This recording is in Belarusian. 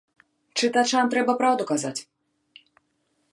Чытачам трэба праўду казаць.